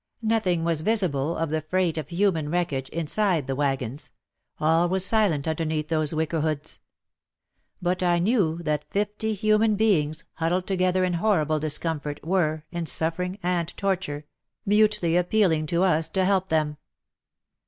Nothing was visible of the freight of human wreckage inside the waggons, — all was silent underneath those wicker hoods. But I knew that fifty human beings, huddled together in horrible discomfort, were — in suffer ing and torture — mutely appealing to us to help them.